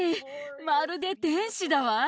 まるで天使だわ。